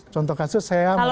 contoh kasus saya mengatakan